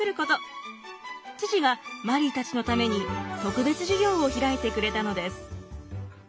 父がマリーたちのために特別授業を開いてくれたのです。